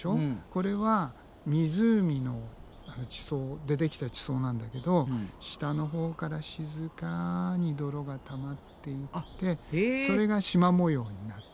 これは湖でできた地層なんだけど下のほうから静かに泥がたまっていってそれがしま模様になってるのね。